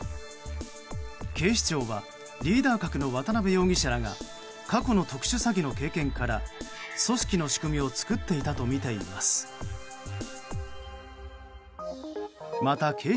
警視庁はリーダー格の渡邉容疑者らが過去の特殊詐欺の経験から組織の仕組みを作っていたとみています。